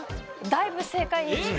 だいぶ正解に近い。